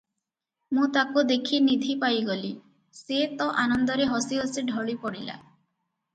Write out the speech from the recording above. ମୁଁ ତାକୁ ଦେଖି ନିଧି ପାଇଗଲି, ସେ ତ ଆନନ୍ଦରେ ହସି ହସି ଢଳି ପଡ଼ିଲା ।